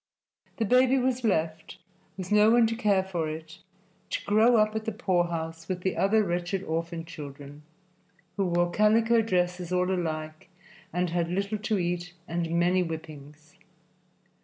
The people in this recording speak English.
The baby was left, with no one to care for it, to grow up at the poorhouse with the other wretched orphan children, who wore calico dresses all alike and had little to eat and many whippings.